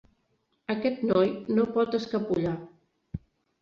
Aquest noi no pot escapollar.